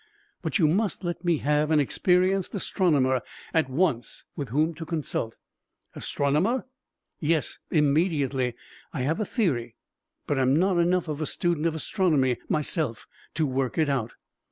But you must let me have an experienced astronomer at once with whom to consult." "Astronomer?" "Yes immediately. I have a theory, but am not enough of a student of astronomy myself to work it out."